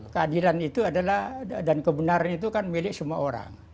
keadilan itu adalah dan kebenaran itu kan milik semua orang